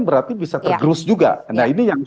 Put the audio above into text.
berarti bisa tergerus juga nah ini yang